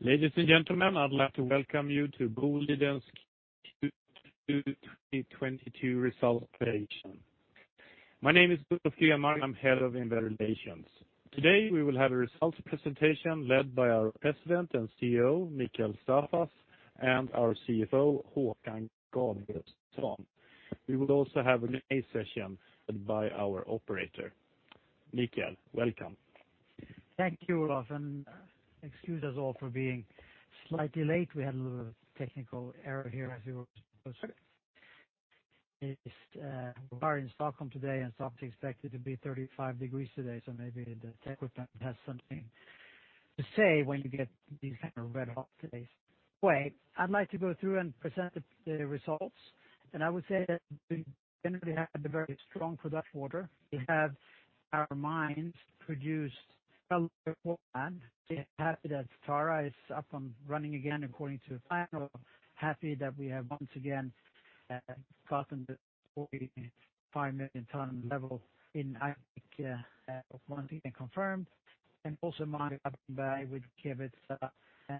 Ladies and gentlemen, I'd like to welcome you to Boliden's Q2 2022 Results Presentation. My name is Olof Grenmark. I'm Head of Investor Relations. Today, we will have a results presentation led by our President and CEO, Mikael Staffas, and our CFO, Håkan Gabrielsson. We will also have a Q&A session led by our operator. Mikael, welcome. Thank you, Olof, and excuse us all for being slightly late. We had a little technical error here. It's very hot in Stockholm today, and it's often expected to be 35 degrees today, so maybe the tech equipment has something to say when you get these kind of red hot days. Anyway, I'd like to go through and present the results, and I would say that we generally had a very strong production quarter. We have our mines produced plan. We're happy that Tara is up and running again according to plan. We're happy that we have once again gotten the 45 million ton level in Aitik confirmed and also mine with Kevitsa,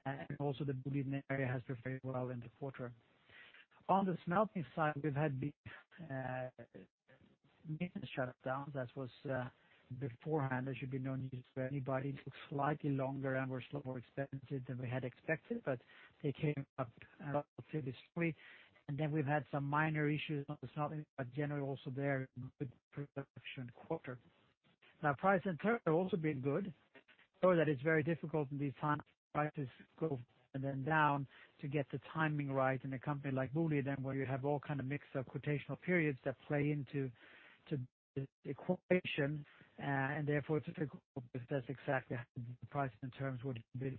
and also the Boliden area has performed very well in the quarter. On the smelting side, we've had big maintenance shutdowns. That was beforehand. There should be no news for anybody. It took slightly longer, and we're still more expensive than we had expected, but they came up this week. Then we've had some minor issues on the smelting, but generally also there, good production quarter. Now, price and terms have also been good so that it's very difficult in these times for prices to go and then down to get the timing right in a company like Boliden, where you have all kind of mix of quotational periods that play into the equation. Therefore, it's difficult because that's exactly how the price and terms would be.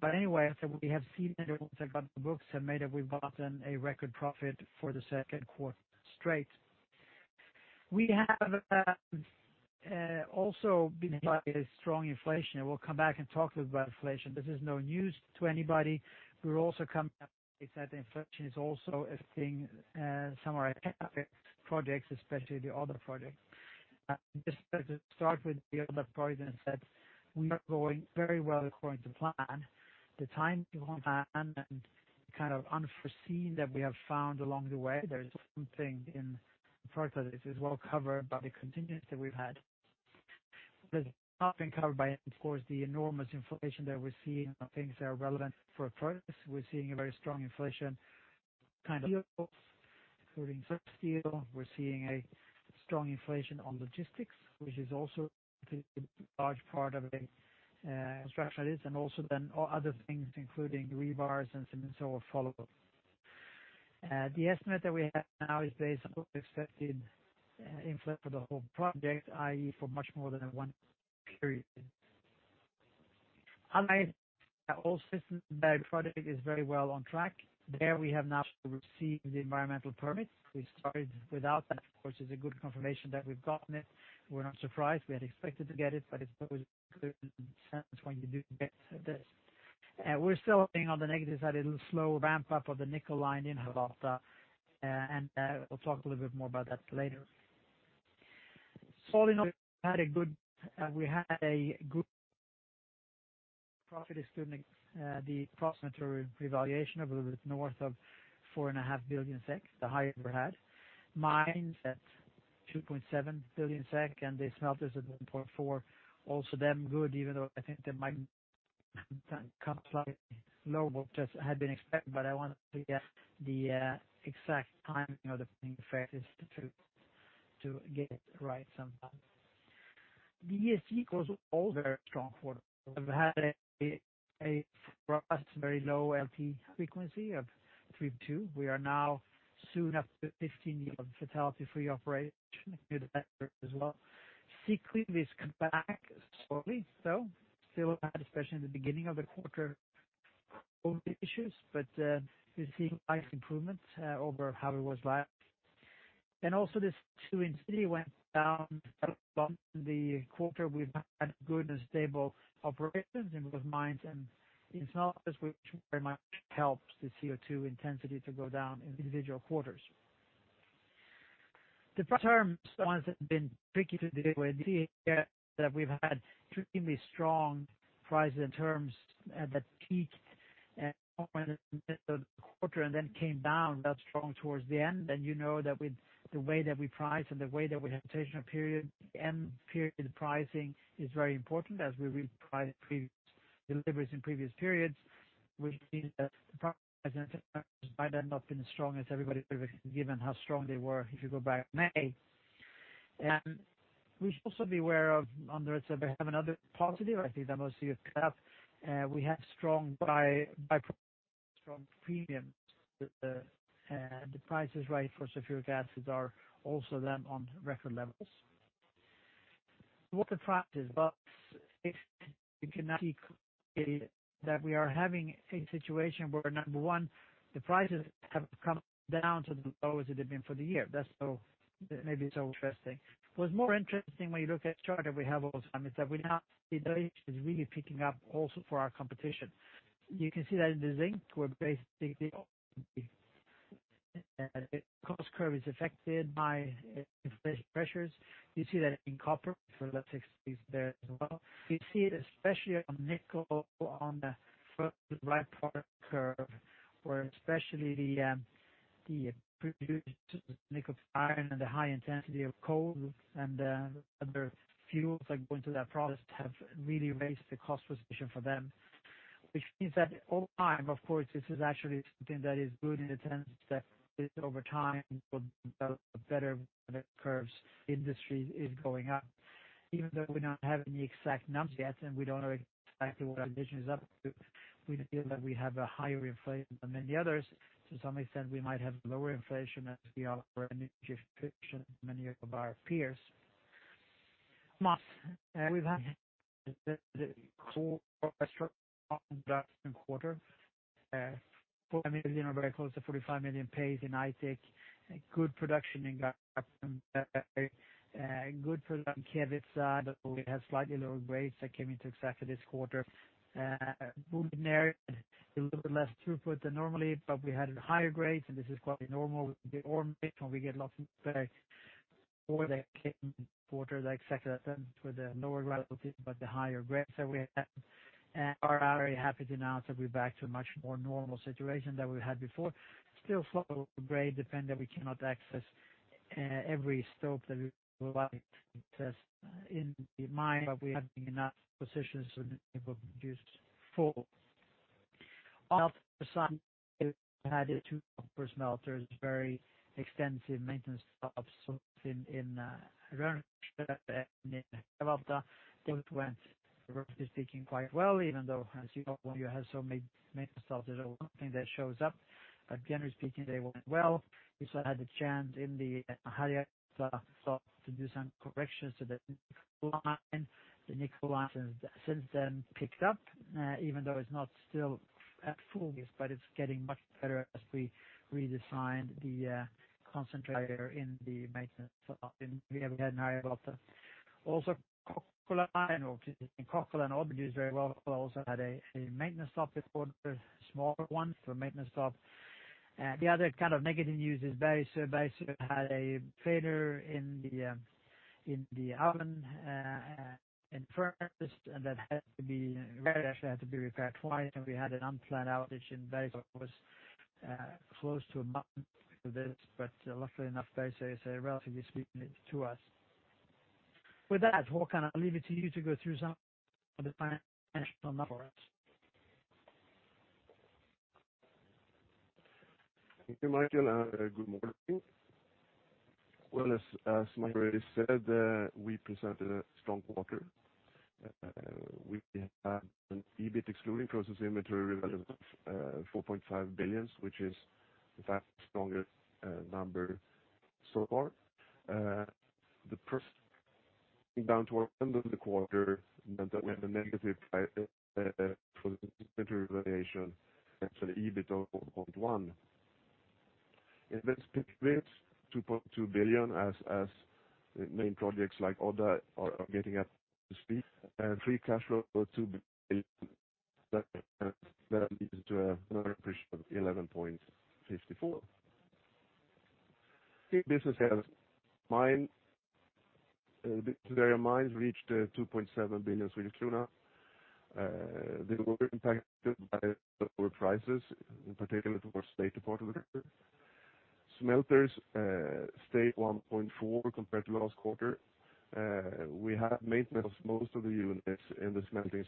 But anyway, as we have seen, the ones that got the books have made it. We've gotten a record profit for the second quarter straight. We have also been hit by a strong inflation, and we'll come back and talk a little about inflation. This is no news to anybody. We're also coming up with that inflation is also affecting some of our projects, especially the other projects. Just to start with the other projects, that we are going very well according to plan. The timing on plan and kind of unforeseen that we have found along the way, there is something in the project that is well covered by the contingencies that we've had. It's not been covered by, of course, the enormous inflation that we're seeing on things that are relevant for a project. We're seeing a very strong inflation, kind of including steel. We're seeing a strong inflation on logistics, which is also a large part of a construction it is, and also then other things, including rebars and so forth follow. The estimate that we have now is based on expected input for the whole project, i.e., for much more than one period. Otherwise, all systems product is very well on track. There, we have now received the environmental permit. We started without that. Of course, it's a good confirmation that we've gotten it. We're not surprised. We had expected to get it, but it's always a good sign when you do get this. We're still being on the negative side, a slow ramp-up of the nickel line in Harjavalta, and we'll talk a little bit more about that later. All in all, we had a good profit excluding the profit revaluation of a little bit north of 4.5 billion SEK, the highest we've ever had. Mines at 2.7 billion SEK, and the smelters at 1.4 billion. Also they're good, even though I think they might come slightly lower than had been expected, but I want to get the exact timing of the effects to get it right sometimes. The ESG was also a very strong quarter. We've had a for us very low LTIFR of 3.2. We are now soon after 15 years of fatality-free operation. We do that as well. Sick leave is back slowly, so still, especially in the beginning of the quarter, COVID issues, but we're seeing nice improvements over how it was last. Also the absenteeism went down this quarter. We've had good and stable operations in both mines and in smelters, which very much helps the CO2 intensity to go down in individual quarters. The first terms, the ones that have been tricky to deal with, that we've had extremely strong prices and terms at the peak and the quarter and then came down that strong towards the end. You know that with the way that we price and the way that we have rotational period, end period pricing is very important as we reprice previous deliveries in previous periods. We've seen that the price might have not been as strong as everybody given how strong they were if you go back in May. We should also be aware of on the other side, we have another positive. I see that most of you have. We have strong by strong premiums. The prices for sulfuric acid are also then on record levels. If we can see that we are having a situation where number one, the prices have come down to the lowest it had been for the year. That's so interesting. What's more interesting when you look at the chart that we have all the time is that we now see it is really picking up also for our competition. You can see that in zinc, where basically the cost curve is affected by inflation pressures. You see that in copper as well. We see it especially on nickel on the front right part of the curve, where especially the nickel pig iron and the high coal intensity and the other fuels that go into that process have really raised the cost position for them. Which means that over time, of course, this is actually something that is good in the sense that over time, we will develop better cost curves. The industry is going up. Even though we don't have any exact numbers yet, and we don't know exactly what our division is up to, we feel that we have a higher inflation than many others. To some extent, we might have lower inflation than we are energy efficient many of our peers. This quarter we've had 40 million or very close to 45 million in Aitik. Good production in good production in Kevitsa, although it had slightly lower grades that came into effect for this quarter. A little bit less throughput than normal, but we had higher grades, and this is quite normal. The ore mix when we got last quarter like Q2 with the lower relative but the higher grades that we had. We are very happy to announce that we're back to a much more normal situation than we had before. Still low grade depending that we cannot access every stope that we would like to access in the mine but we are having enough positions so that we're able to produce in full. We had in two smelters very extensive maintenance stops in Rönnskär and in Kokkola. Both went relatively speaking quite well even though as you know when you have so many maintenance stops there's one thing that shows up. Generally speaking they went well. We also had the chance in the Harjavalta stop to do some corrections to the nickel line. The nickel line has since then picked up, even though it's not still at full pace, but it's getting much better as we redesigned the concentrator in the maintenance stop we had in Harjavalta. Kokkola line, or in Kokkola and Odda used very well, also had a maintenance stop this quarter, a smaller one for maintenance stop. The other kind of negative news is Rönnskär. Rönnskär had a failure in the furnace, and that had to be repaired twice, and we had an unplanned outage in Rönnskär that was close to a month because of this. Luckily enough, Rönnskär is a relatively small unit to us. With that, Håkan, I leave it to you to go through some of the financial numbers. Thank you, Mikael, and good morning. Well, as Mikael already said, we presented a strong quarter. We have an EBIT, excluding inventory revaluation, 4.5 billion, which is the second strongest number so far. The downturn towards the end of the quarter meant that we had a negative for the inventory valuation, actually EBIT of 4.1 billion. That's EBIT 2.2 billion as main projects like Odda are getting up to speed. Free cash flow of 2 billion that leads to another appreciation of 1.154. I think business as mine today our mines reached 2.7 billion Swedish krona. They were impacted by lower prices, in particular towards late fourth quarter. Smelters stay 1.4 billion compared to last quarter. We had maintenance most of the units in the smelting,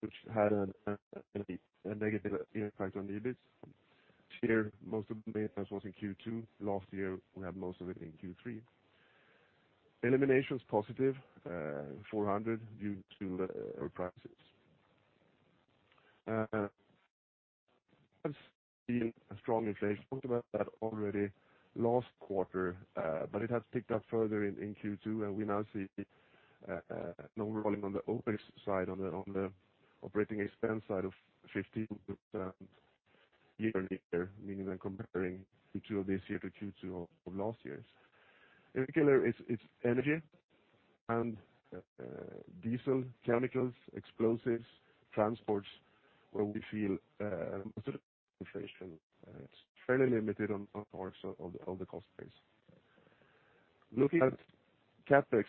which had a negative impact on the EBIT. This year, most of the maintenance was in Q2. Last year, we had most of it in Q3. Eliminations positive, 400 due to the lower prices. I've seen a strong inflation. We talked about that already last quarter, but it has picked up further in Q2, and we now see number rolling on the OpEx side, on the operating expense side of 15% year-on-year, meaning I'm comparing Q2 of this year to Q2 of last year. In particular it's energy and diesel, chemicals, explosives, transports, where we feel most of the inflation. It's fairly limited on parts of the cost base. Looking at CapEx,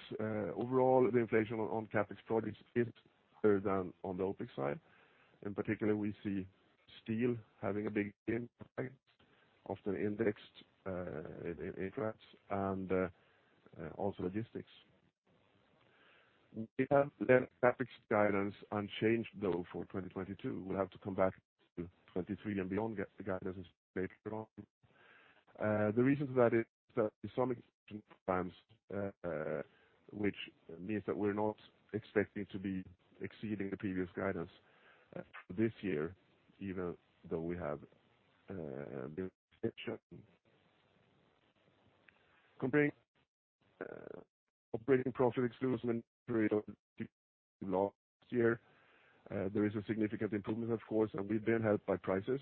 overall, the inflation on CapEx projects is higher than on the OpEx side. In particular, we see steel having a big impact, often indexed in contracts and also logistics. We have the CapEx guidance unchanged, though, for 2022. We'll have to come back to 2023 and beyond, get the guidance out later on. The reason for that is that there's some expansion plans, which means that we're not expecting to be exceeding the previous guidance for this year, even though we have. Comparing operating profit excluding last year, there is a significant improvement of course, and we've been helped by prices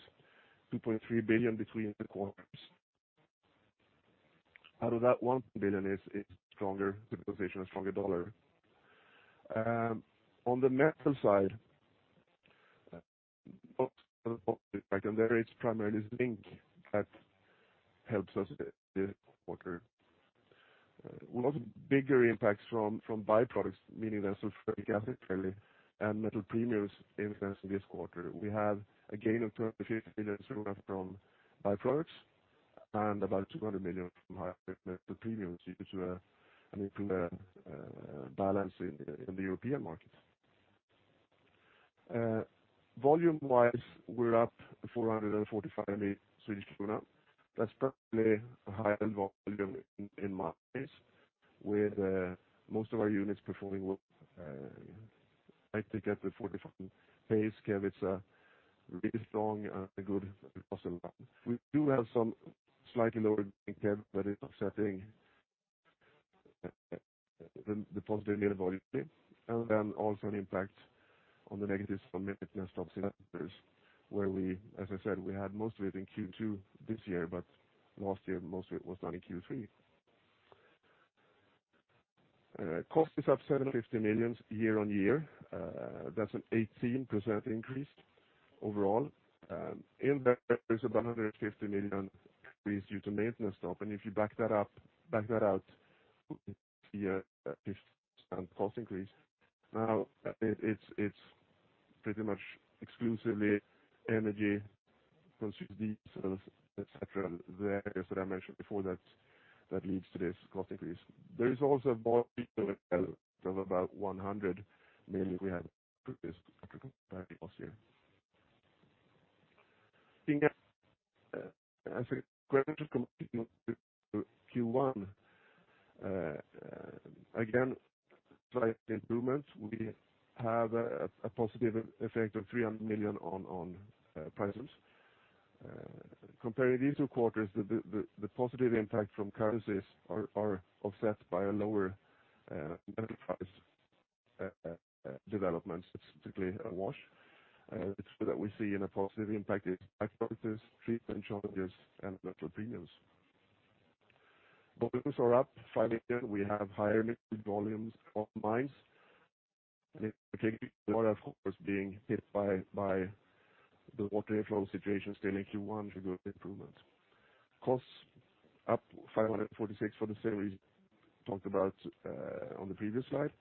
2.3 billion between the quarters. Out of that 1 billion is stronger depreciation, a stronger dollar. On the metal side, there is primarily zinc that helps us quarter. A lot of bigger impacts from by-products, meaning that sulfuric acid really and metal premiums influence this quarter. We have a gain of 28 million from by-products and about 200 million from higher metal premiums due to an improved balance in the European market. Volume-wise, we're up 445 million. That's probably a higher volume in months with most of our units performing well. I think at the 445 pace give it a really strong and a good possible run. We do have some slightly lower income, but it's offsetting the positive year volume. Also an impact on the negatives from maintenance stops in smelters where, as I said, we had most of it in Q2 this year, but last year, most of it was done in Q3. Cost is up 75 million year-on-year. That's an 18% increase overall. In there is about a 150 million increase due to maintenance stop. If you back that out, you see a 15% cost increase. Now it's pretty much exclusively energy consumption, diesels, et cetera. That's what I mentioned before, that leads to this cost increase. There is also from about 100 million we had last year. As at Q1, again, slight improvements. We have a positive effect of 300 million on prices. Comparing these two quarters, the positive impact from currencies are offset by a lower metal price development, specifically a wash. We see a positive impact in by-products, treatment charges, and metal premiums. Volumes are up 5 million. We have higher nickel volumes on mines. In particular, of course, being hit by the water inflow situation still in Q1 but good improvements. Costs up 546 for the same reason we talked about on the previous slide.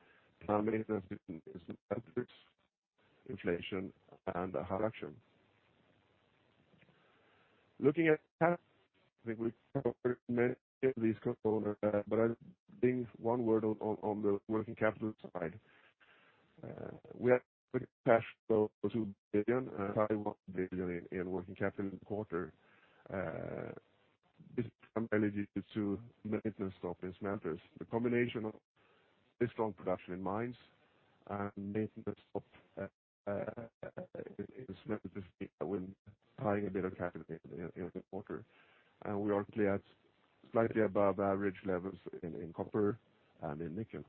Maintenance in smelters, inflation, and higher production. Looking at capital, I think we covered many of these components, but I think one word on the working capital side. We had cash flow 2 billion and 5 billion in working capital this quarter, is primarily due to maintenance stop in smelters. The combination of this strong production in mines and maintenance stop in smelters is tying a bit of capital in this quarter. We are currently at slightly above average levels in copper and in nickel.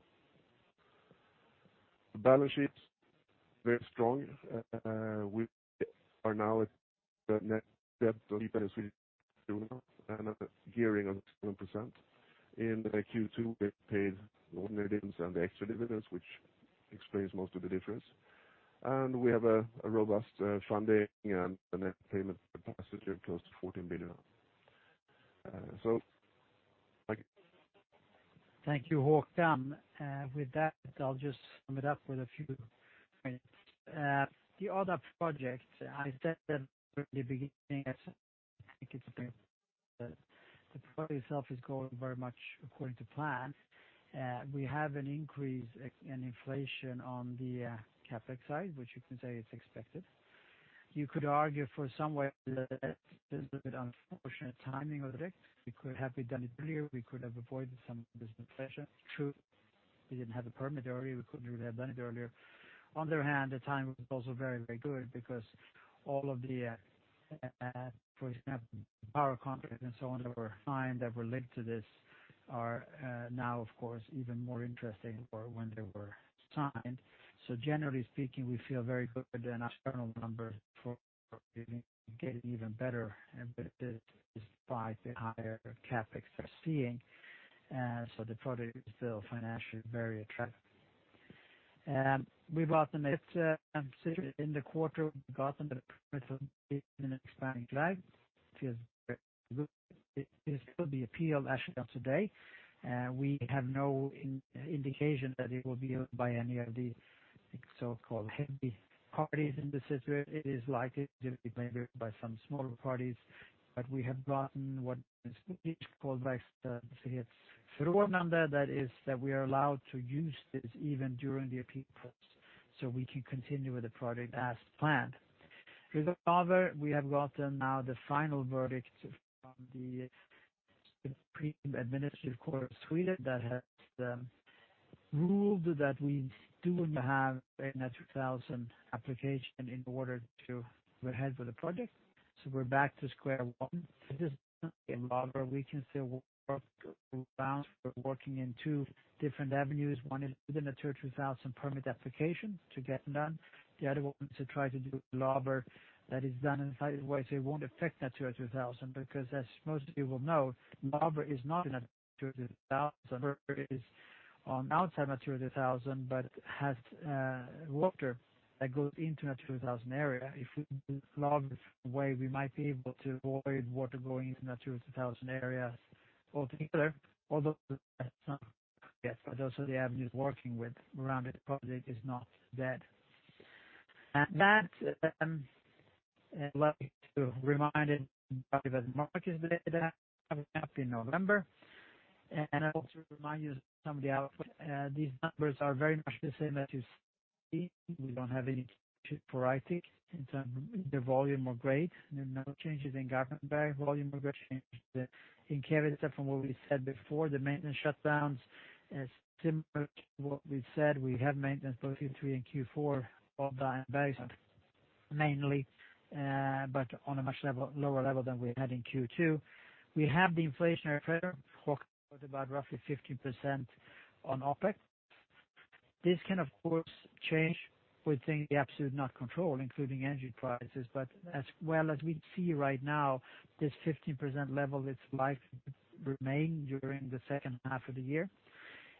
The balance sheet's very strong. We are now at the net debt of SEK 85 and a gearing of 7%. In Q2, we paid ordinary dividends and the extra dividends, which explains most of the difference. We have a robust funding and a net payment capacity of close to 14 billion. Thank you, Håkan. With that, I'll just sum it up with a few points. The other project, I said that from the beginning, I think it's been the project itself is going very much according to plan. We have an increase in inflation on the CapEx side, which you can say it's expected. You could argue for some way that it's a bit unfortunate timing of it. We could have done it earlier. We could have avoided some of this inflation. True, we didn't have a permit already. We couldn't really have done it earlier. On the other hand, the timing was also very, very good because all of the, for example, power contract and so on that were signed that were linked to this are, now, of course, even more interesting for when they were signed. Generally speaking, we feel very good and our internal numbers are getting even better despite the higher CapEx we're seeing. The project is still financially very attractive. We've gotten this decision in the quarter, we've gotten the permit for the expansion at Laver, which is very good. It will be appealed actually today. We have no indication that it will be overturned by any of the so-called heavy parties in this area. It is likely to be made by some smaller parties, but we have gotten what in Swedish called laga kraft, that is that we are allowed to use this even during the appeals, so we can continue with the project as planned. Furthermore, we have gotten now the final verdict from the Supreme Administrative Court of Sweden that has ruled that we do have a 2000 application in order to go ahead with the project. We're back to square one. This is not a Laver. We can still work around. We're working in two different avenues. One is within a 2000 permit application to get done. The other one to try to do Laver that is done in such a way so it won't affect that 2000, because as most people know, Laver is not in a 2000, Laver is outside Natura 2000, but has water that goes into Natura 2000 area. If we go this way, we might be able to avoid water going into Natura 2000 areas altogether. The expansion we're working on the project is not dead. I'd like to remind everybody that the market update in November. I also remind you of some of the outlook. These numbers are very much the same as you see. We don't have any variety in terms of the volume or grade. There are no changes in ore body volume or grade, change in character from what we said before. The maintenance shutdowns is similar to what we said. We have maintenance both Q3 and Q4 of the year mainly, but on a much lower level than we had in Q2. We have the inflationary pressure we talk about roughly 15% on OpEx. This can, of course, change within factors absolutely not in our control, including energy prices, but as we see right now, this 15% level is likely to remain during the second half of the year.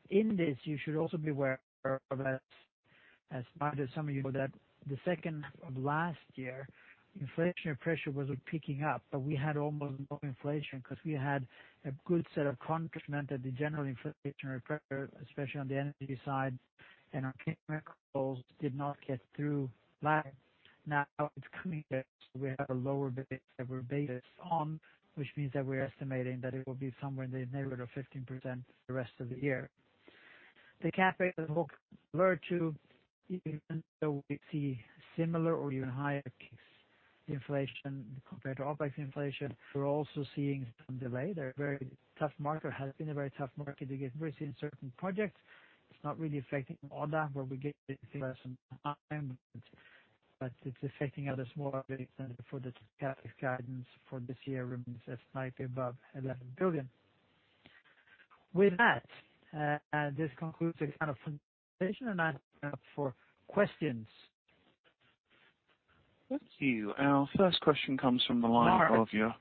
You should also be aware of, as some of you know, that the second half of last year, inflationary pressure wasn't picking up, but we had almost no inflation because we had a good set of contracts meant that the general inflationary pressure, especially on the energy side and on chemicals, did not get through last year. Now it's coming. We have a lower base that we're basing on, which means that we're estimating that it will be somewhere in the neighborhood of 15% for the rest of the year. The CapEx looks lower too, even though we see similar or even higher inflation compared to OpEx inflation. We're also seeing some delay. There is a very tough market. It has been a very tough market to get certain projects. It's not really affecting Odda, where we get some time, but it's affecting others more. The CapEx guidance for this year remains slightly above 11 billion. With that, this concludes the kind of presentation, and I open up for questions. Thank you. Our first question comes from the line of your-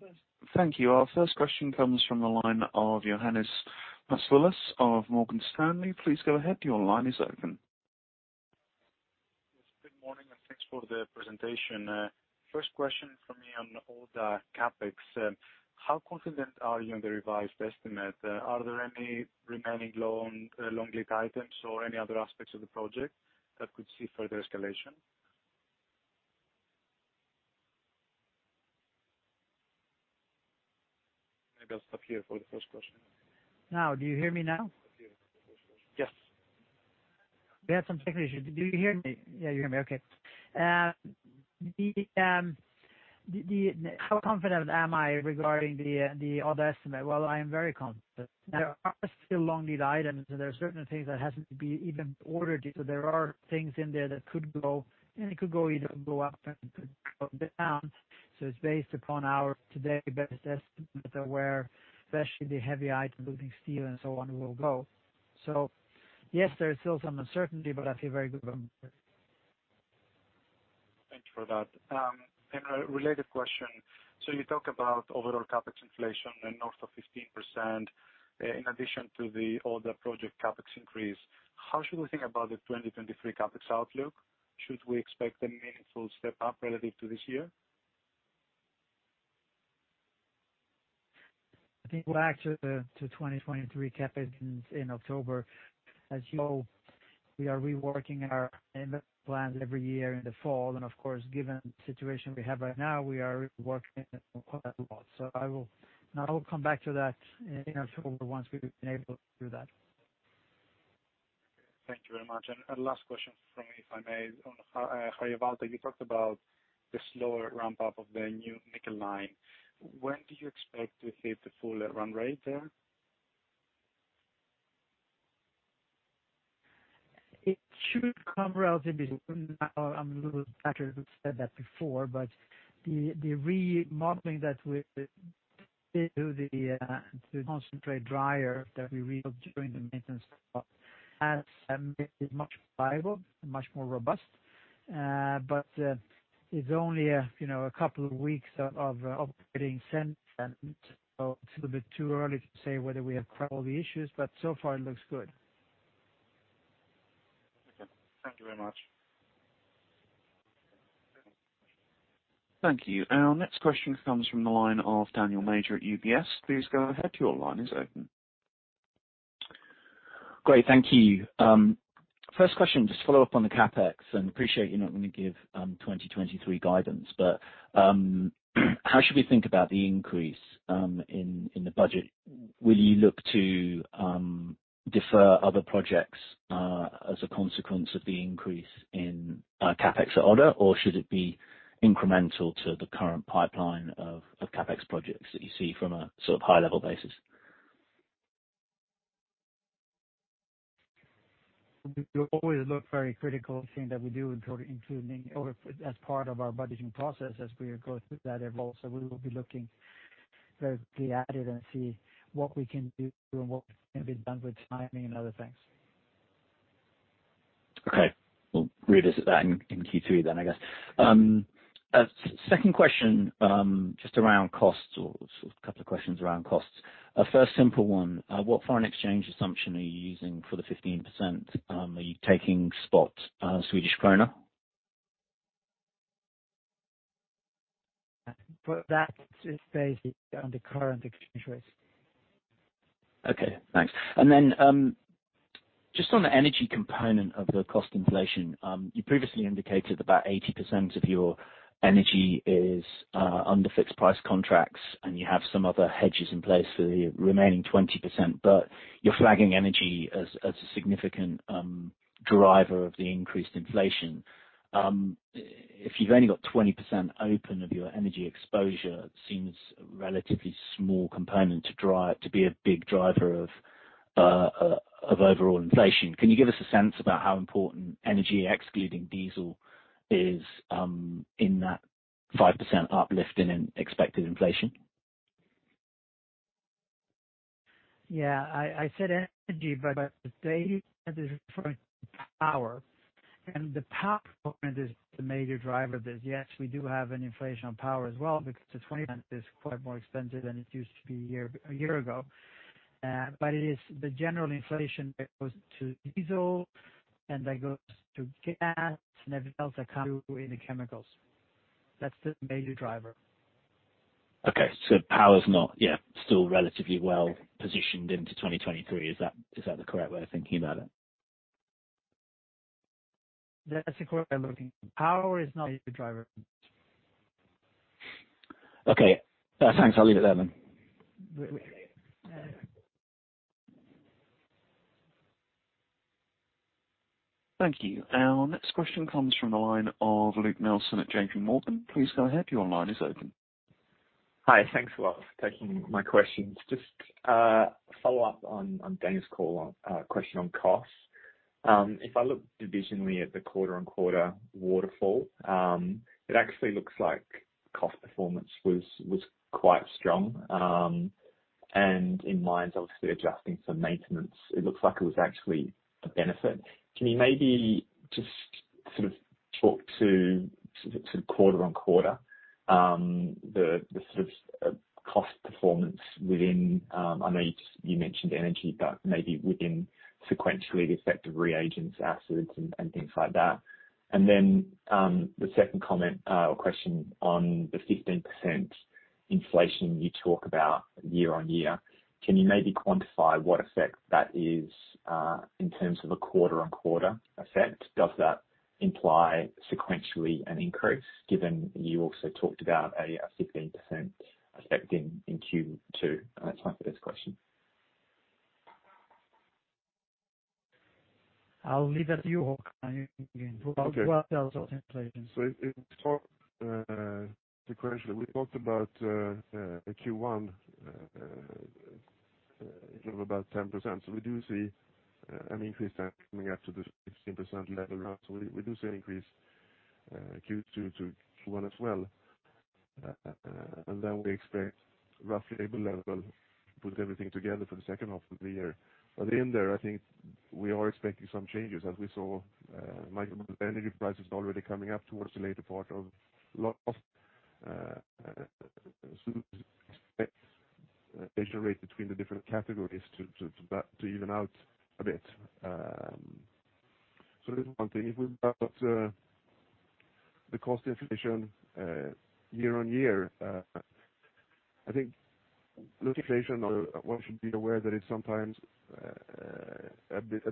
Go ahead. Thank you. Our first question comes from the line of Ioannis Masvoulas of Morgan Stanley. Please go ahead. Your line is open. Good morning, and thanks for the presentation. First question for me on the Odda CapEx. How confident are you in the revised estimate? Are there any remaining long lead items or any other aspects of the project that could see further escalation? Maybe I'll stop here for the first question. Now, do you hear me now? Yes. We had some technical issues. Do you hear me? Yeah, you hear me. Okay. How confident am I regarding the other estimate? Well, I am very confident. There are still long lead items, and there are certain things that hasn't been even ordered yet. So there are things in there that could go, and it could go either up and down. So it's based upon our today best estimate where especially the heavy item, including steel and so on, will go. So yes, there is still some uncertainty, but I feel very good about it. Thank you for that. A related question. You talk about overall CapEx inflation and north of 15% in addition to the older project CapEx increase. How should we think about the 2023 CapEx outlook? Should we expect a meaningful step up relative to this year? I think we'll actually do 2023 CapEx in October. As you know, we are reworking our plans every year in the fall. Of course, given the situation we have right now, we are working quite a lot. I will come back to that in October once we've been able to do that. Thank you very much. Last question from me, if I may. On Harjavalta, you talked about the slower ramp up of the new nickel line. When do you expect to hit the full run rate there? It should come relatively soon. Now, I'm a little better. I said that before, but the remodeling that we do, the concentrate dryer that we rebuilt during the maintenance, is much more viable and much more robust. But it's only, you know, a couple of weeks of operating since then. It's a bit too early to say whether we have quite all the issues, but so far it looks good. Okay. Thank you very much. Thank you. Our next question comes from the line of Daniel Major at UBS. Please go ahead. Your line is open. Great. Thank you. First question, just follow up on the CapEx and appreciate you're not going to give 2023 guidance. How should we think about the increase in the budget? Will you look to defer other projects as a consequence of the increase in CapEx at Odda? Or should it be incremental to the current pipeline of CapEx projects that you see from a sort of high level basis? We always look very critically at everything that we do, including CapEx as part of our budgeting process as we go through that evaluation. We will be looking very hard to see what we can do and what can be done with timing and other things. Okay. We'll revisit that in Q2 then, I guess. Second question, just around costs or sort of couple of questions around costs. First simple one, what foreign exchange assumption are you using for the 15%? Are you taking spot, Swedish krona? That is based on the current exchange rates. Okay, thanks. Just on the energy component of the cost inflation, you previously indicated about 80% of your energy is under fixed price contracts, and you have some other hedges in place for the remaining 20%, but you're flagging energy as a significant driver of the increased inflation. If you've only got 20% open of your energy exposure, it seems a relatively small component to be a big driver of overall inflation. Can you give us a sense about how important energy excluding diesel is in that 5% uplift in expected inflation? Yeah. I said energy, but they had this different power, and the power component is the major driver of this. Yes, we do have an inflation on power as well, because the 20% is quite more expensive than it used to be a year ago. It is the general inflation that goes to diesel and that goes to gas and everything else that come through in the chemicals. That's the major driver. Okay. Power is not, yeah, still relatively well positioned into 2023. Is that the correct way of thinking about it? That's the correct way of looking. Power is not a driver. Okay. Thanks. I'll leave it there then. Okay. Thank you. Our next question comes from the line of Luke Nelson at JPMorgan. Please go ahead. Your line is open. Hi. Thanks a lot for taking my questions. Just a follow-up on Daniel's question on costs. If I look divisionally at the quarter-on-quarter waterfall, it actually looks like cost performance was quite strong. In my mind, obviously adjusting for maintenance, it looks like it was actually a benefit. Can you maybe just sort of talk to sort of quarter-on-quarter the sort of cost performance within. I know you just mentioned energy, but maybe within sequentially the effect of reagents, acids and things like that. Then the second comment or question on the 15% inflation you talk about year-on-year, can you maybe quantify what effect that is in terms of a quarter-on-quarter effect? Does that imply sequentially an increase, given you also talked about a 15% effect in Q2? That's my first question. I'll leave that to you, Håkan. You can talk about what else on inflation. In this talk sequentially, we talked about a Q1 give about 10%. We do see an increase there coming up to the 16% level. We do see an increase Q2 to Q1 as well. Then we expect roughly a level, put everything together for the second half of the year. In there, I think we are expecting some changes as we saw macro energy prices already coming up towards the later part of last year so expect inflation rate between the different categories to even out a bit. That's one thing. If we've got the cost inflation year on year, I think one should be aware that it's sometimes a bit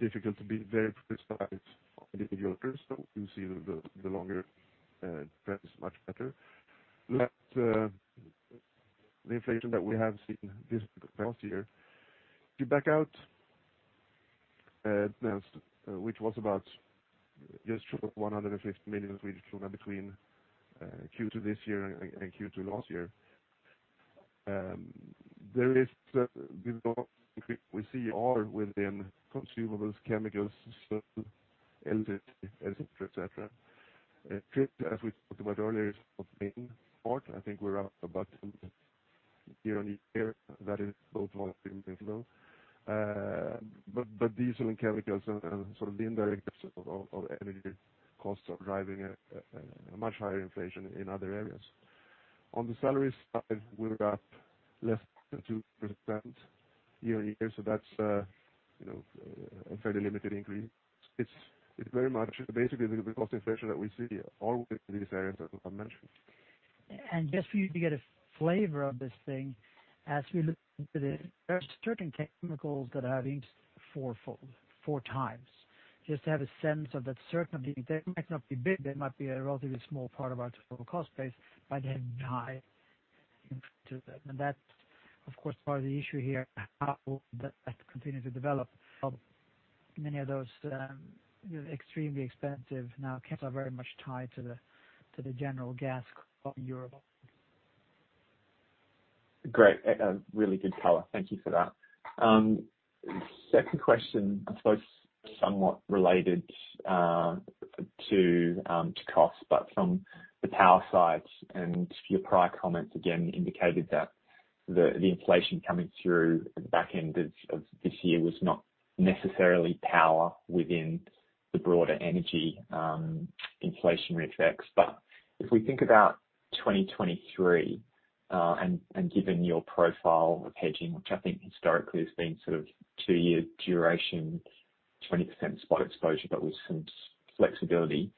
difficult to be very precise on individual terms. You see the longer trend is much better. The inflation that we have seen this past year, you back out, which was about just 150 million Swedish kronor between Q2 this year and Q2 last year. There is, we know, we see all within consumables, chemicals, energy, et cetera. As we talked about earlier, is the main part. I think we're up about year-on-year. That is both one of the individual. But diesel and chemicals and sort of the indirect of energy costs are driving a much higher inflation in other areas. On the salary side, we're up less than 2% year-on-year, so that's, you know, a fairly limited increase. It's very much basically the cost inflation that we see all within these areas that I've mentioned. Just for you to get a flavor of this thing as we look into this, there are certain chemicals that have increased fourfold, 4x. Just to have a sense of that, certainly they might not be big, they might be a relatively small part of our total cost base, but they have high to them. That's, of course, part of the issue here, how that continues to develop. Many of those extremely expensive now are very much tied to the natural gas in Europe. Great. A really good color. Thank you for that. Second question, I suppose somewhat related, to cost, but from the power side and your prior comments again indicated that the inflation coming through the back end of this year was not necessarily power within the broader energy inflation reflects. If we think about 2023, and given your profile of hedging, which I think historically has been sort of two-year duration, 20% spot exposure, but with some flexibility.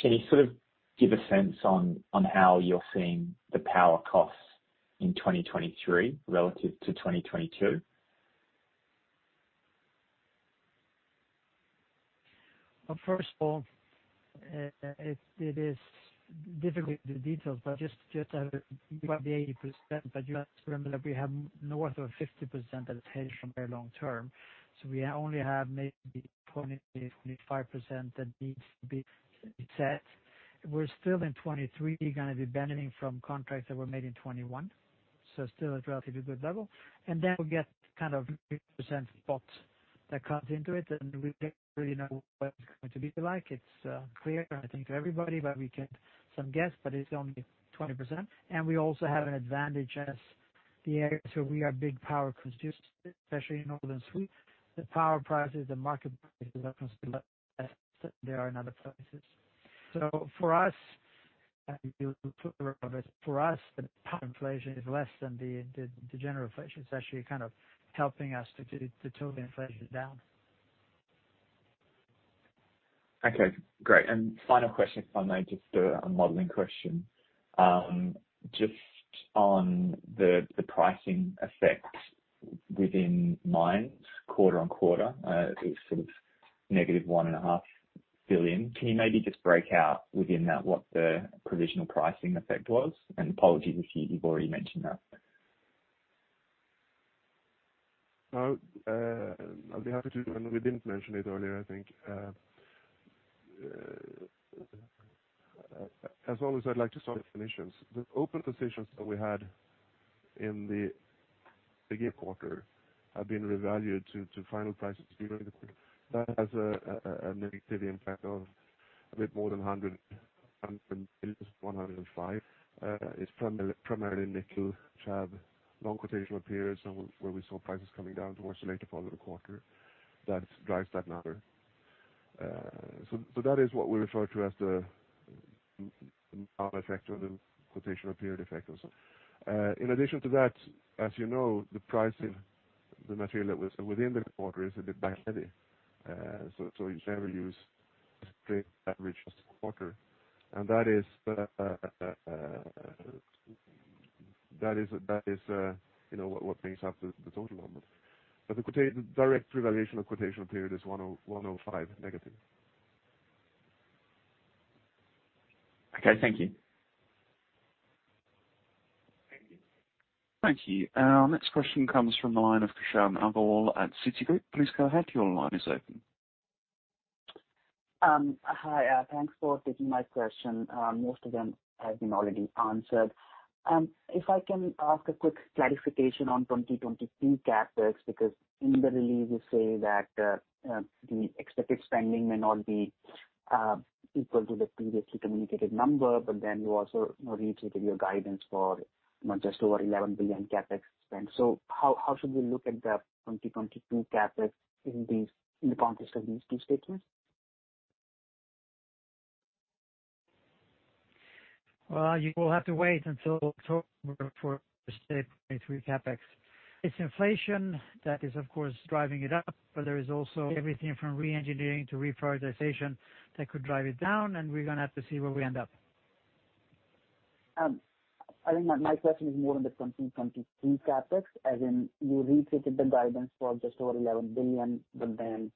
Can you sort of give a sense on how you're seeing the power costs in 2023 relative to 2022? Well, first of all, it is difficult with the details, but just as you have the 80%, but just remember that we have north of 50% that is hedged from very long-term. We only have maybe 20%-25% that needs to be set. We're still in 2023 gonna be benefiting from contracts that were made in 2021. Still at relatively good level. Then we get kind of percent spots that comes into it, and we don't really know what it's going to be like. It's clear, I think, to everybody, but we get some guess, but it's only 20%. We also have an advantage in the area, so we are big power consumers, especially in Northern Sweden. The power prices, the market prices are less than they are in other places. For us, the power inflation is less than the general inflation. It's actually kind of helping us to tilt the inflation down. Okay, great. Final question, if I may, just a modeling question. Just on the pricing effect within Mines quarter-over-quarter, it was sort of negative 1.5 billion. Can you maybe just break out within that what the provisional pricing effect was? Apologies if you've already mentioned that. No, I'll be happy to. We didn't mention it earlier, I think. As always, I'd like to start with definitions. The open positions that we had in the year quarter have been revalued to final prices during the quarter. That has a negative impact of a bit more than 100 million, 105 million. It's primarily nickel, which have long quotation periods and where we saw prices coming down towards the later part of the quarter. That drives that number. That is what we refer to as the net effect of the quotation period effect or so. In addition to that, as you know, the pricing, the material that was within the quarter is a bit back-heavy. You never use straight average quarter. That is, you know, what makes up the total number. The quarterly direct revaluation of quarterly period is -101.05. Okay, thank you. Thank you. Thank you. Our next question comes from the line of Krishan Agarwal at Citigroup. Please go ahead. Your line is open. Hi, thanks for taking my question. Most of them have been already answered. If I can ask a quick clarification on 2022 CapEx, because in the release you say that the expected spending may not be equal to the previously communicated number, but then you also reiterated your guidance for not just over 11 billion CapEx spend. How should we look at the 2022 CapEx in the context of these two statements? Well, you will have to wait until October for the stated 2023 CapEx. It's inflation that is of course driving it up, but there is also everything from re-engineering to reprioritization that could drive it down, and we're gonna have to see where we end up. I think my question is more on the 2022 CapEx, as in you reiterated the guidance for just over 11 billion, but then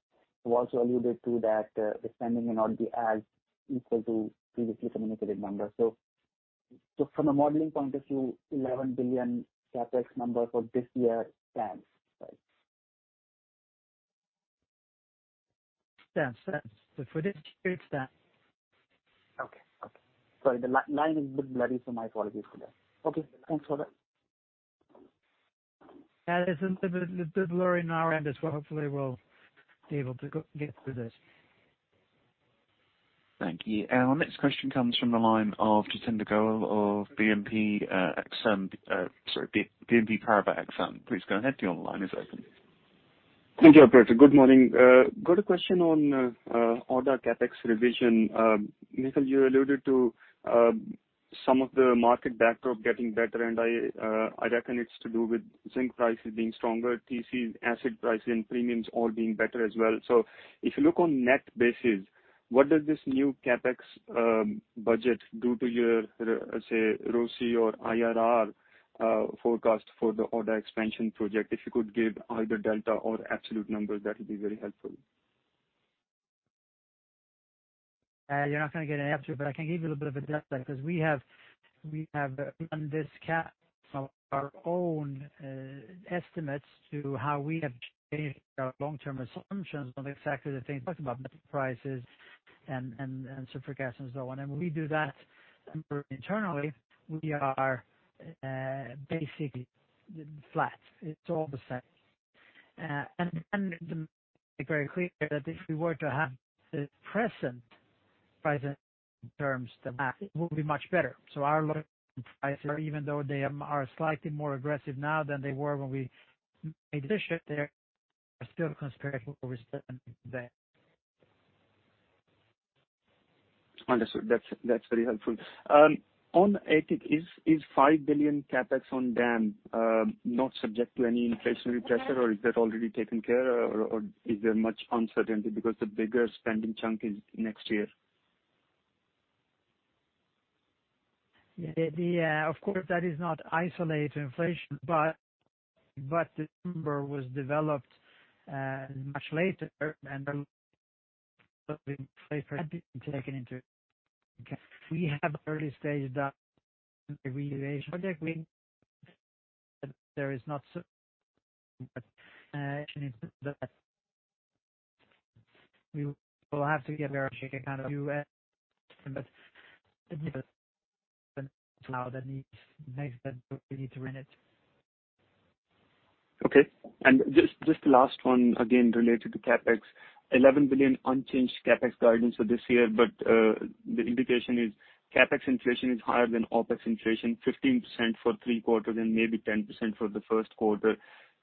you also alluded to that, the spending may not be as equal as previously communicated numbers. From a modeling point of view, 11 billion CapEx number for this year stands, right? Stands. For this year, it stands. Okay. Sorry, the line is a bit blurry, so my apologies for that. Okay, thanks for that. Yeah, there's a little bit blurry on our end as well. Hopefully, we'll be able to get through this. Thank you. Our next question comes from the line of Jatinder Goel of BNP Paribas Exane. Please go ahead. Your line is open. Thank you, operator. Good morning. Got a question on Aitik CapEx revision. Mikael, you alluded to some of the market backdrop getting better, and I reckon it's to do with zinc prices being stronger, TC, acid pricing, premiums all being better as well. If you look on net basis, what does this new CapEx budget do to your, let's say, ROCE or IRR forecast for the Aitik expansion project? If you could give either delta or absolute numbers, that would be very helpful. You're not gonna get an answer, but I can give you a little bit of a delta because we have run this CapEx on our own estimates to how we have changed our long-term assumptions on exactly the things you talked about, metal prices and sulfur gases and so on. We do that internally. We are basically flat. It's all the same. Be very clear that if we were to have the present pricing terms, the math will be much better. Our prices, even though they are slightly more aggressive now than they were when we made the shift there, are still conservative over certain then. Understood. That's very helpful. Is 5 billion CapEx on dam not subject to any inflationary pressure or is that already taken care of or is there much uncertainty because the bigger spending chunk is next year? Yeah. Of course, that is not isolated inflation, but the number was developed much later and had been taken into. We have early stage that reevaluation project means that there is not so. We will have to get a kind of new. Now that means that we need to run it. Okay. Just the last one, again related to CapEx. 11 billion unchanged CapEx guidance for this year, but the indication is CapEx inflation is higher than OpEx inflation, 15% for three quarters and maybe 10% for the first quarter.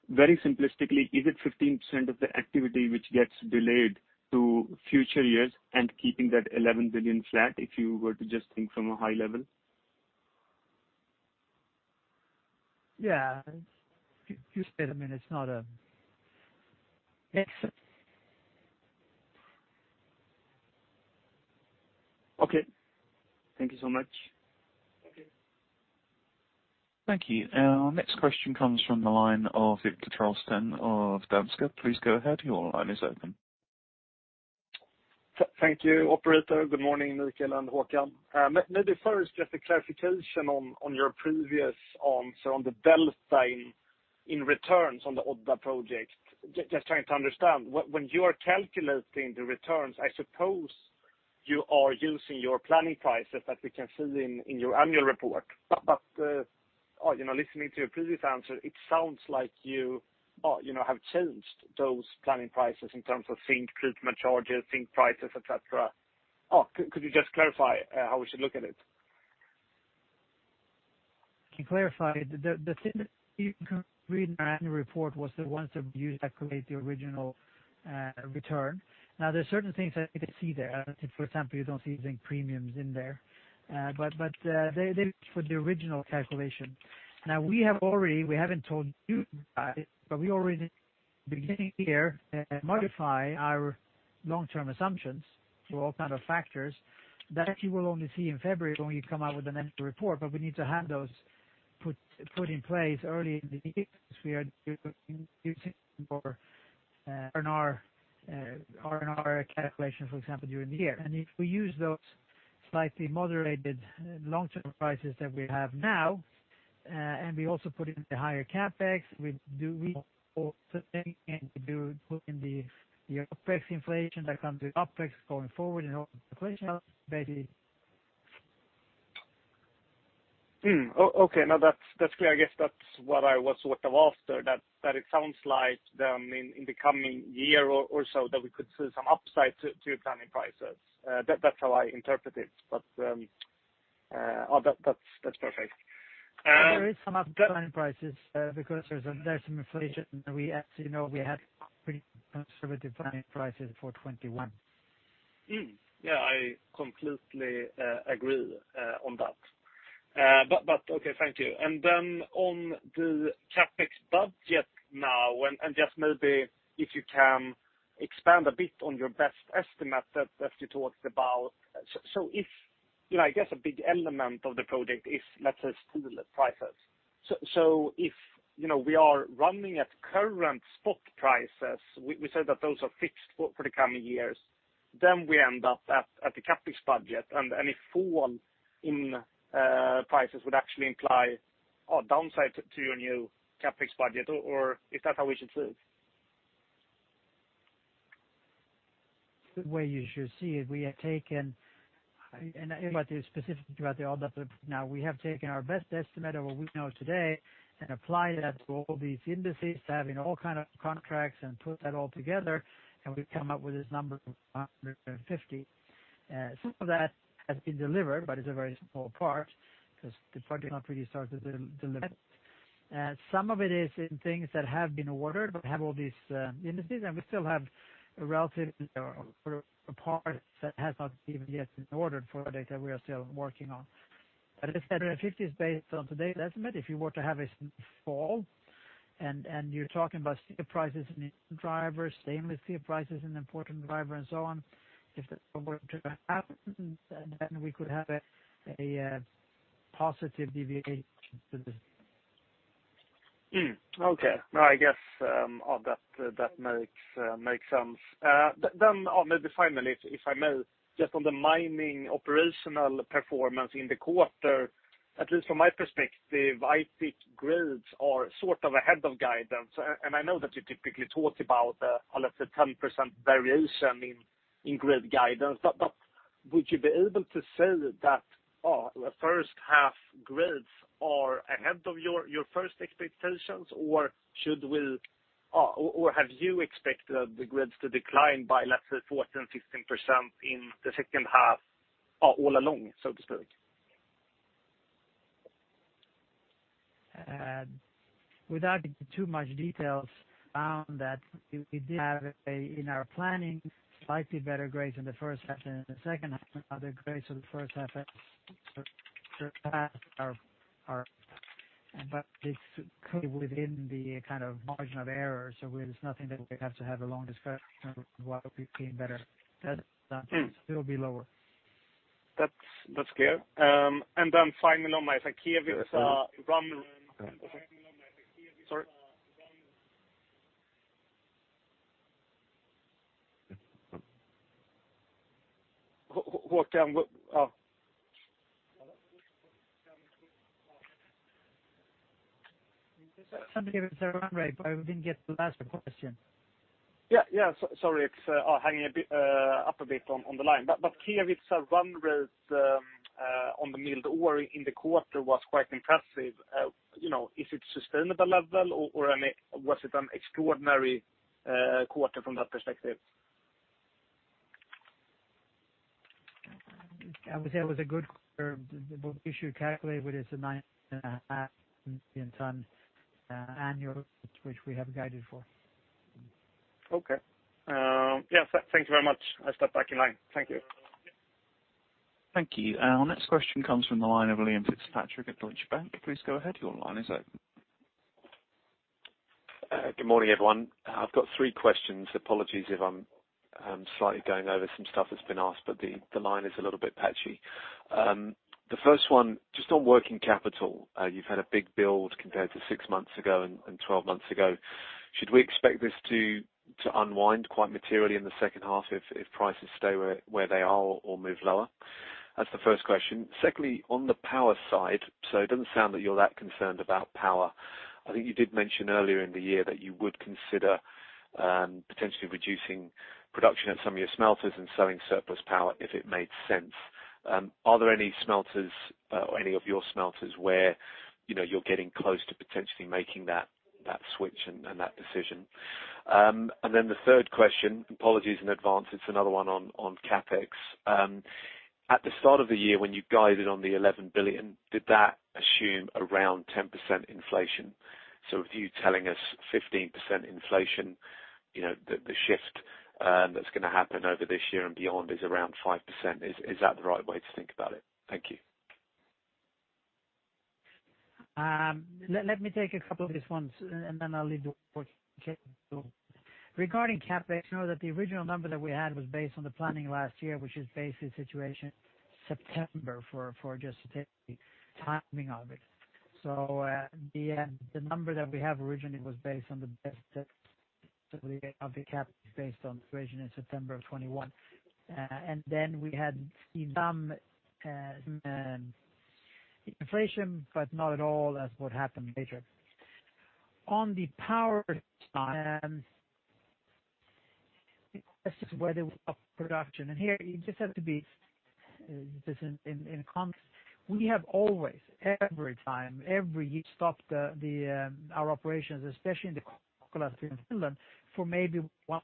Very simplistically, is it 15% of the activity which gets delayed to future years and keeping that 11 billion flat if you were to just think from a high level? Yeah. You said, I mean, it's not a. Okay. Thank you so much. Okay. Thank you. Our next question comes from the line of Viktor Trollsten of Danske. Please go ahead. Your line is open. Thank you, operator. Good morning, Mikael and Håkan. Maybe first just a clarification on your previous answer on the delta in returns on the Odda project. Just trying to understand. When you are calculating the returns, I suppose you are using your planning prices that we can see in your annual report. You know, listening to your previous answer, it sounds like you know, have changed those planning prices in terms of zinc treatment charges, zinc prices, et cetera. Could you just clarify how we should look at it? To clarify, the thing that you can read in our annual report was the ones that we used to calculate the original return. Now, there are certain things that you can see there. For example, you don't see zinc premiums in there, but they for the original calculation. Now, we haven't told you guys, but we already beginning here modify our long-term assumptions for all kind of factors that you will only see in February when we come out with the next report. We need to have those put in place early in the year because we are using more NPV calculations, for example, during the year. If we use those slightly moderated long-term prices that we have now, and we also put in the higher CapEx, we do, we also think and do put in the OpEx inflation that comes with OpEx going forward in all the calculations basically. Okay. No, that's clear. I guess that's what I was sort of after. That it sounds like then in the coming year or so that we could see some upside to platinum prices. That's how I interpret it. That's perfect. There is some upside in prices, because there's some inflation. We, as you know, had pretty conservative planning prices for 2021. Yeah, I completely agree on that. Okay, thank you. On the CapEx budget now, and just maybe if you can expand a bit on your best estimate that you talked about. If you know, I guess a big element of the project is, let's say, steel prices. If you know, we are running at current spot prices, we said that those are fixed for the coming years, then we end up at the CapEx budget, and any fall in prices would actually imply a downside to your new CapEx budget, or is that how we should see it? The way you should see it, we have taken. Everybody is specific about the Odda. Now, we have taken our best estimate of what we know today and applied that to all these indices, having all kind of contracts, and put that all together, and we've come up with this number of 550. Some of that has been delivered, but it's a very small part because the project has not really started to deliver. Some of it is in things that have been ordered, but have all these indices, and we still have a relatively or a part that has not even yet been ordered for data we are still working on. As I said, 50 is based on today's estimate. If you were to have a fall and you're talking about steel prices and drivers, stainless steel prices an important driver, and so on, if that were to happen, then we could have a positive deviation to this. Okay. No, I guess that makes sense. Maybe finally, if I may, just on the mining operational performance in the quarter, at least from my perspective, I think grades are sort of ahead of guidance. I know that you typically talk about let's say 10% variation in grade guidance. Would you be able to say that the first half grades are ahead of your first expectations, or have you expected the grades to decline by let's say 14%-16% in the second half all along, so to speak? Without too much details on that, we did have, in our planning, slightly better grades in the first half than in the second half. The grades of the first half surpassed our. This could be within the kind of margin of error. It's nothing that we have to have a long discussion on why we've seen better. That's still be lower. That's clear. Finally on my side, here with Aitik. Sorry. What can we... Sorry to interrupt there, Andre, but we didn't get the last question. Yeah, sorry, it's hanging a bit up a bit on the line. Here it's Aitik grade on the milled ore in the quarter was quite impressive. You know, is it sustainable level or, I mean, was it an extraordinary quarter from that perspective? I would say it was a good quarter. We should calculate what is the 9.5 million ton annual, which we have guided for. Okay. Yeah, thank you very much. I step back in line. Thank you. Thank you. Our next question comes from the line of Liam Fitzpatrick at Deutsche Bank. Please go ahead. Your line is open. Good morning, everyone. I've got three questions. Apologies if I'm slightly going over some stuff that's been asked, but the line is a little bit patchy. The first one, just on working capital, you've had a big build compared to six months ago and twelve months ago. Should we expect this to unwind quite materially in the second half if prices stay where they are or move lower? That's the first question. Secondly, on the power side, it doesn't sound that you're that concerned about power. I think you did mention earlier in the year that you would consider potentially reducing production at some of your smelters and selling surplus power if it made sense. Are there any smelters, or any of your smelters where, you know, you're getting close to potentially making that switch and that decision? The third question, apologies in advance, it's another one on CapEx. At the start of the year, when you guided on the 11 billion, did that assume around 10% inflation? With you telling us 15% inflation, you know, the shift that's gonna happen over this year and beyond is around 5%. Is that the right way to think about it? Thank you. Let me take a couple of these ones and then I'll leave the Okay. Regarding CapEx, know that the original number that we had was based on the planning last year, which is based on the situation in September for just the timing of it. The number that we have originally was based on the best of the CapEx based on the situation in September of 2021. Then we had seen some inflation, but not at all as what happened later. On the power side, the question is whether we stop production. Here you just have to be in context. We have always, every time, every year, stopped our operations, especially in the Kokkola zinc smelter in Finland, for maybe 1%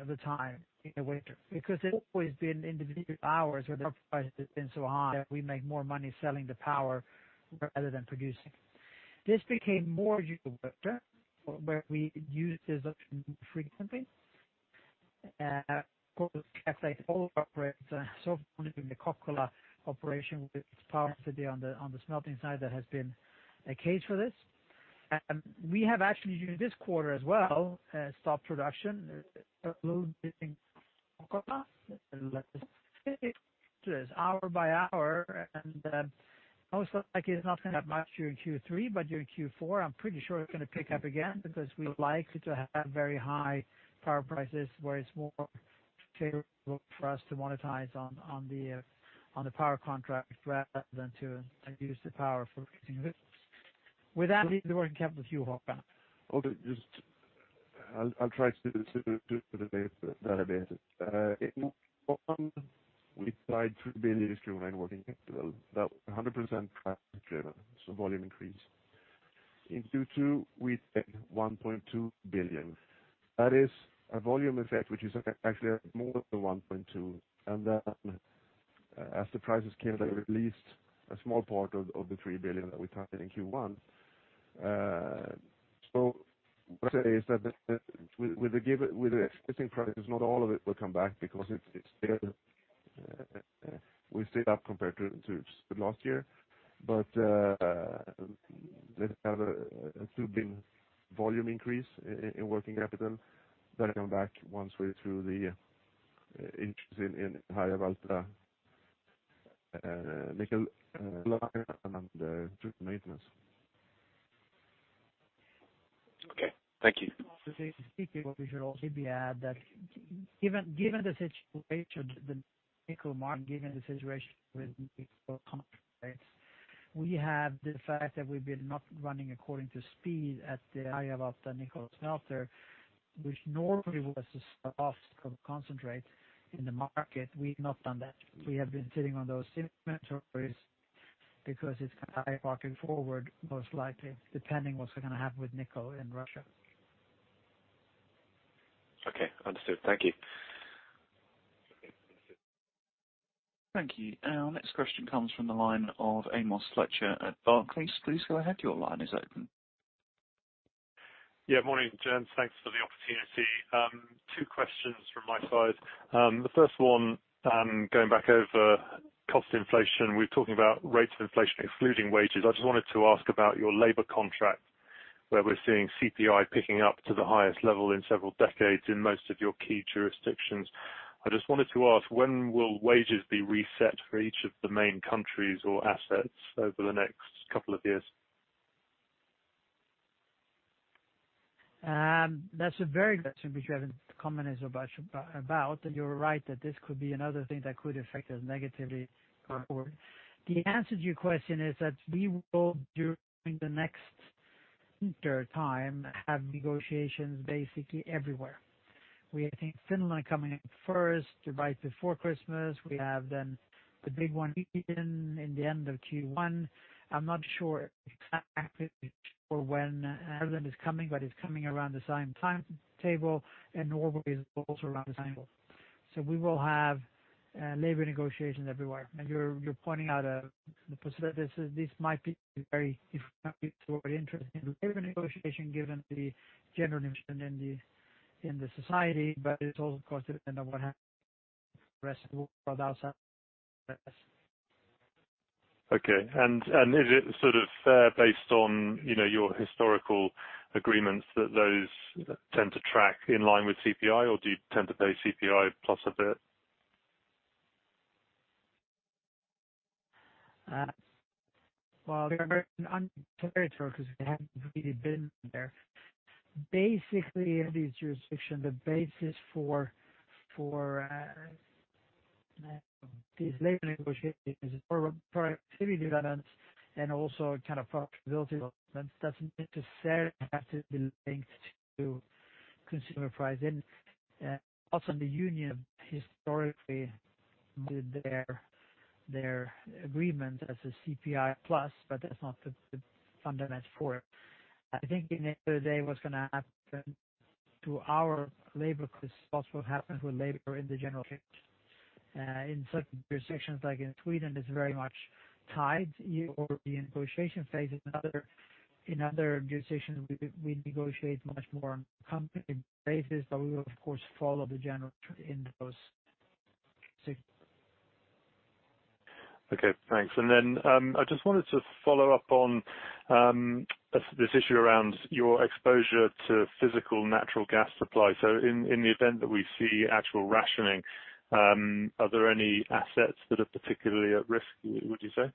of the time in the winter, because there's always been individual hours where the price has been so high that we make more money selling the power rather than producing it. This became more usual winter where we use this option more frequently. Of course, as I said, all our operations are so only in the Kokkola operation with power-intensive on the smelting side that has been the case for this. We have actually during this quarter as well stopped production a little bit in Kokkola. Most likely it's not gonna match your Q3, but your Q4. I'm pretty sure it's gonna pick up again because we're likely to have very high power prices where it's more favorable for us to monetize on the power contract rather than to use the power for producing metals. With that, the working capital with you, Håkan. I'll try to do that better. In Q1, we tied SEK 3 billion to streamline working capital. That was 100% price driven, so no volume increase. In Q2, we take 1.2 billion. That is a volume effect, which is actually more than 1.2. As the prices came, they released a small part of the 3 billion that we targeted in Q1. What I say is that with the existing prices, not all of it will come back because it's still up compared to last year. Let's say a 2 billion volume increase in working capital that comes back once we're through the inventory in higher. Okay. Thank you. Also say to people, we should also add that given the situation, the nickel market, given the situation with nickel contracts. We have the fact that we've been not running according to speed at the Harjavalta nickel smelter, which normally was the spot concentrate in the market. We've not done that. We have been sitting on those inventories because it's kind of walking forward, most likely, depending what's going to happen with nickel in Russia. Okay, understood. Thank you. Thank you. Our next question comes from the line of Amos Fletcher at Barclays. Please go ahead. Your line is open. Yeah. Morning, gents. Thanks for the opportunity. Two questions from my side. The first one, going back over cost inflation. We're talking about rates of inflation excluding wages. I just wanted to ask about your labor contract, where we're seeing CPI picking up to the highest level in several decades in most of your key jurisdictions. I just wanted to ask, when will wages be reset for each of the main countries or assets over the next couple of years? That's a very good question, which I haven't commented so much about. You're right that this could be another thing that could affect us negatively going forward. The answer to your question is that we will, during the next winter time, have negotiations basically everywhere. We have, I think, Finland coming up first, right before Christmas. We have then the big one in the end of Q1. I'm not sure exactly for when Ireland is coming, but it's coming around the same timetable and Norway is also around the same. We will have labor negotiations everywhere. You're pointing out a possibility this might be very different labor negotiation given the general in the society, but it is also considered on the other hand. Okay. Is it sort of based on, you know, your historical agreements that those tend to track in line with CPI or do you tend to pay CPI plus a bit? Well, we're in uncharted territory because we haven't really been there. Basically, in these jurisdictions, the basis for these labor negotiations is productivity developments and also kind of profitability developments. It doesn't necessarily have to be linked to consumer pricing. The union historically did their agreement as a CPI plus, but that's not the fundamental for it. I think at the end of the day what's gonna happen to our labor costs, what happens with labor in the general case, in certain jurisdictions, like in Sweden, it's very much tied to the negotiation phase. In other jurisdictions we negotiate much more on company basis, but we will of course follow the general trend in those. Okay, thanks. I just wanted to follow up on this issue around your exposure to physical natural gas supply. In the event that we see actual rationing, are there any assets that are particularly at risk, would you say?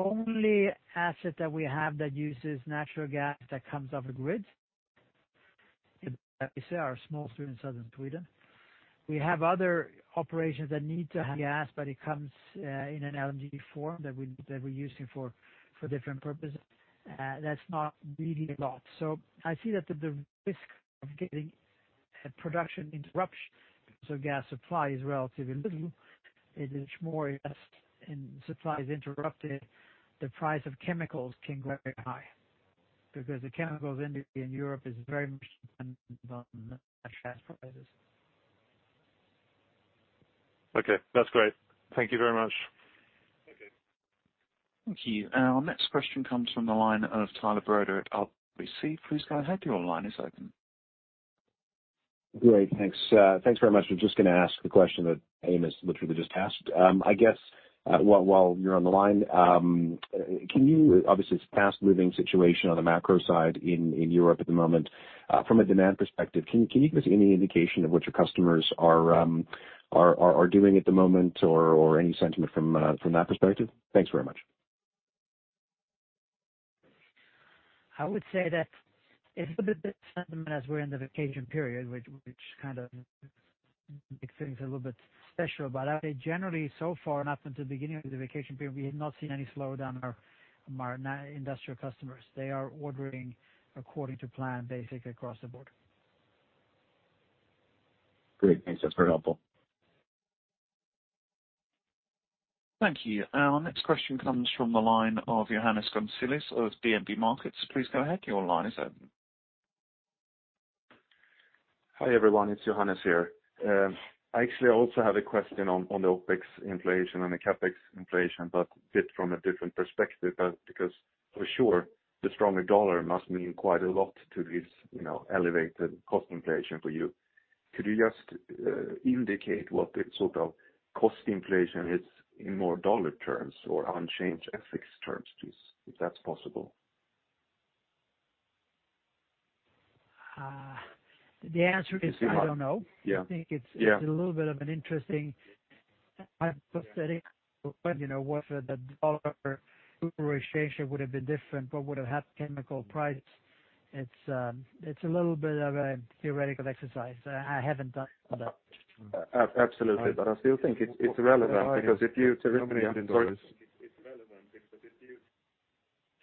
Only asset that we have that uses natural gas that comes off the grid, that's our smelter in southern Sweden. We have other operations that need to have gas, but it comes in an LNG form that we're using for different purposes. That's not really a lot. I see that the risk of production interruptions from gas supply is relatively little. It is more or less if supply is interrupted, the price of chemicals can go very high because the chemicals industry in Europe is very much dependent on gas prices. Okay, that's great. Thank you very much. Okay. Thank you. Our next question comes from the line of Tyler Broda at RBC. Please go ahead. Your line is open. Great, thanks. Thanks very much. I'm just gonna ask the question that Amos literally just asked. I guess while you're on the line, can you. Obviously it's fast-moving situation on the macro side in Europe at the moment. From a demand perspective, can you give us any indication of what your customers are doing at the moment or any sentiment from that perspective? Thanks very much. I would say that it's a bit sentiment as we're in the vacation period, which kind of makes things a little bit special. I think generally so far, and up until the beginning of the vacation period, we have not seen any slowdown in our major industrial customers. They are ordering according to plan basically across the board. Great. Thanks. That's very helpful. Thank you. Our next question comes from the line of Ioannis Masvoulas of Morgan Stanley. Please go ahead. Your line is open. Hi everyone, it's Ioannis Masvoulas here. Actually I also have a question on the OpEx inflation and the CapEx inflation, but a bit from a different perspective because for sure the stronger dollar must mean quite a lot to this, you know, elevated cost inflation for you. Could you just indicate what the sort of cost inflation is in more dollar terms or unchanged FX terms, please, if that's possible? The answer is I don't know. Yeah. I think it's- Yeah. It's a little bit of an interesting hypothetical, you know, what the dollar appreciation would have been different. It's a little bit of a theoretical exercise. I haven't done that. Absolutely. I still think it's relevant because if you Sorry. It's relevant.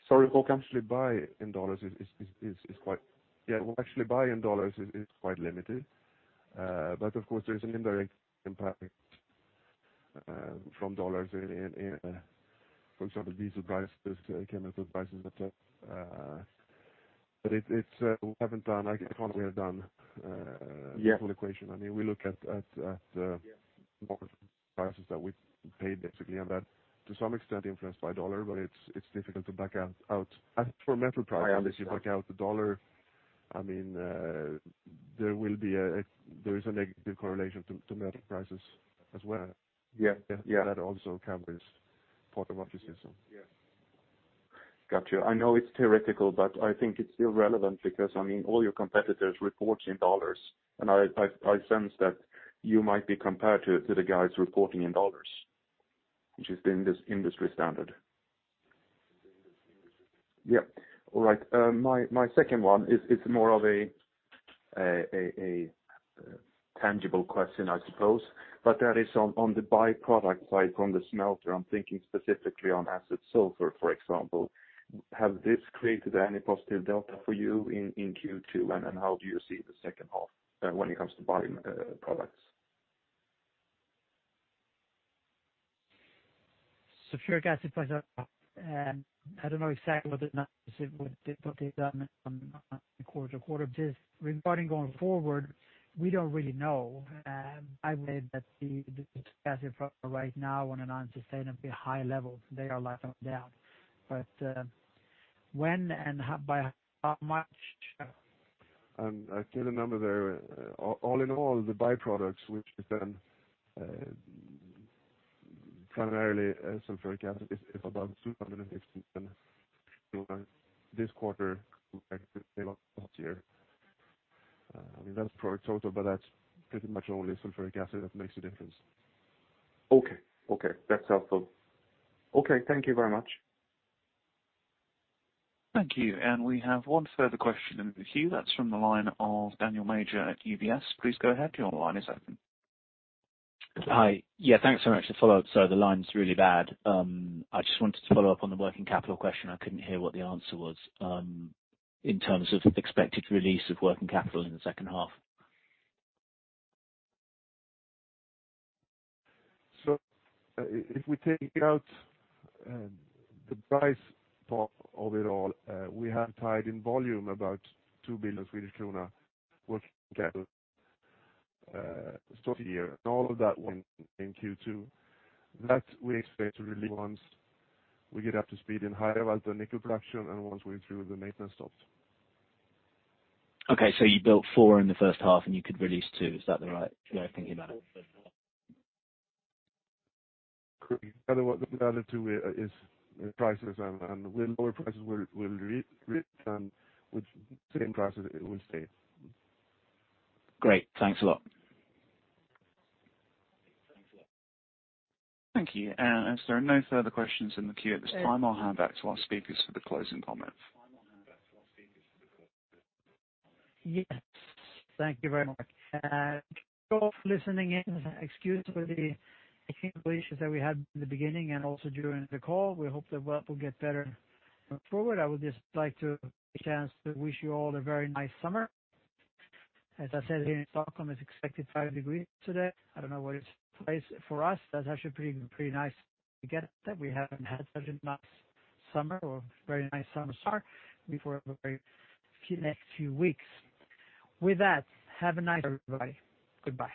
Sorry, what you can actually buy in dollars is quite limited. But of course there's an indirect impact from the dollar in, for example, diesel prices, chemical prices. But it's, we have done. Yeah. The full equation. I mean, we look at prices that we paid basically, and that to some extent influenced by dollar, but it's difficult to back out. As for metal prices, if you back out the dollar, I mean, there is a negative correlation to metal prices as well. Yeah. Yeah. That also covers part of what you see. So. Yes. Got you. I know it's theoretical, but I think it's still relevant because, I mean, all your competitors report in dollars, and I sense that you might be compared to the guys reporting in dollars, which is the industry standard. Yep. All right. My second one is more of a tangible question, I suppose, but that is on the by-product side from the smelter. I'm thinking specifically on sulfuric acid, for example. Has this created any positive delta for you in Q2, and how do you see the second half when it comes to pricing the products? sulfuric acid I don't know exactly what they've done from quarter to quarter. Just regarding going forward, we don't really know. I would say that right now on an unsustainably high level, they are likely down. When and how, by how much. I can remember there, all in all, the by-products which then primarily sulfuric acid is about 260 million this quarter last year. I mean, that's product total, but that's pretty much only sulfuric acid that makes a difference. Okay. Okay. That's helpful. Okay, thank you very much. Thank you. We have one further question in the queue. That's from the line of Daniel Major at UBS. Please go ahead. Your line is open. Hi. Yeah, thanks very much. To follow up. Sorry, the line's really bad. I just wanted to follow up on the working capital question. I couldn't hear what the answer was, in terms of expected release of working capital in the second half. If we take out the price part of it all, we have tied in volume about 2 billion Swedish krona working capital, stock year and all of that one in Q2. That we expect to relieve once we get up to speed in Harjavalta, the nickel production and once we're through the maintenance stops. Okay. You built four in the first half and you could release two. Is that the right way of thinking about it? Correct. The other two is prices and with lower prices will return with same prices it will stay. Great. Thanks a lot. Thank you. As there are no further questions in the queue at this time, I'll hand back to our speakers for the closing comments. Yes. Thank you very much for listening in. Apologies for the technical issues that we had in the beginning and also during the call. We hope that will get better going forward. I would just like to take a chance to wish you all a very nice summer. As I said, here in Stockholm, it's expected five degrees today. I don't know what it's like for us. That's actually pretty nice to get that. We haven't had such a nice summer or very nice summer start before a very few next few weeks. With that, have a nice summer, everybody. Goodbye.